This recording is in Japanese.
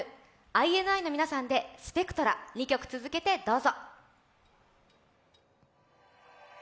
ＩＮＩの皆さんで「ＳＰＥＣＴＲＡ」、２曲続けて、どうぞ。